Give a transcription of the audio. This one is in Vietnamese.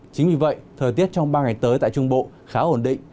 chính vì vậy thời tiết trong ba ngày tới tại trung bộ khá ổn định